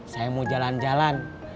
saya mau jalan jalan